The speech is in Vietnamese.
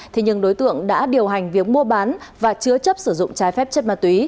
thế nhưng đối tượng đã điều hành việc mua bán và chứa chấp sử dụng trái phép chất ma túy